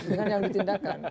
dengan yang ditindakan